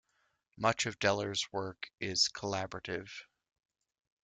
Much of Deller's work is collaborative.